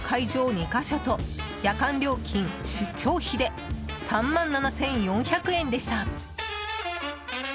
２か所と夜間料金、出張費で３万７４００円でした。